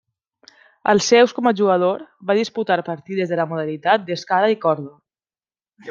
Als seus com a jugador, va disputar partides de la modalitat d'Escala i Corda.